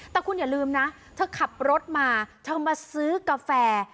แต่คุณอย่าลืมนะเธอขับรถมาเธอมาซื้อกาแฟ